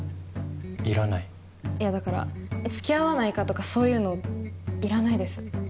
いやだからつきあわないかとかそういうのいらないです